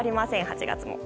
８月も。